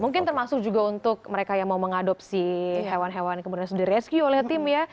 mungkin termasuk juga untuk mereka yang mau mengadopsi hewan hewan yang kemudian sudah direscue oleh tim ya